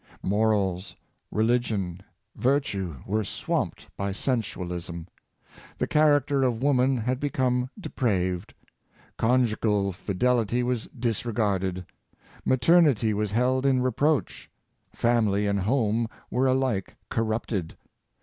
Morals, religion, virtue, were swamped by sensualism. The character of wo 116 True Sphere of Women, man had become depraved. Conjugal fidelity was disregarded; maternity was held in reproach; family and home were alike corrupted.